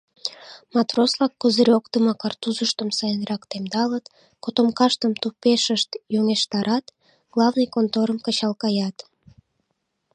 Матрос-влак козырёкдымо картузыштым сайынрак темдалыт, котомкаштым тупешышт йӧнештарат, главный конторым кычал каят.